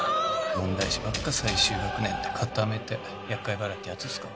問題児ばっか最終学年で固めて厄介払いってやつっすか？